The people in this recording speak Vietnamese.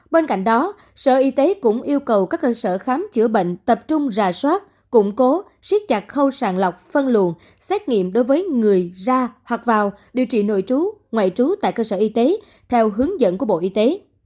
bên cạnh đó sở y tế cũng yêu cầu các cơ sở khám chữa bệnh tập trung rà soát củng cố siết chặt khâu sàng lọc phân luồng xét nghiệm đối với người ra hoặc vào điều trị nội trú ngoại trú tại cơ sở y tế theo hướng dẫn của bộ y tế